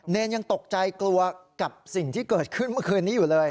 เนรยังตกใจกลัวกับสิ่งที่เกิดขึ้นเมื่อคืนนี้อยู่เลย